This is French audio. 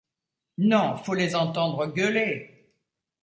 Non, faut les entendre gueuler !